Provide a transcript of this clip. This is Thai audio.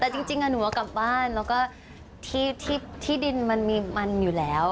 แต่จริงหนูเอากลับบ้านแล้วก็ที่ดินมันมีมันอยู่แล้ว